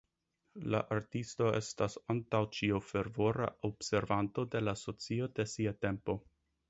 La artisto estas antaŭ ĉio fervora observanto de la socio de sia tempo.